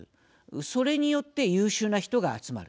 それによって優秀な人が集まる。